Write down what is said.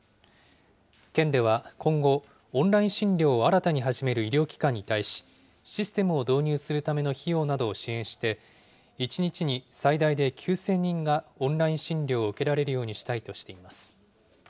県では今後、オンライン診療を新たに始める医療機関に対し、システムを導入するための費用などを支援して、１日に最大で９０００人がオンライン診療を受けられるようにしたいとしています。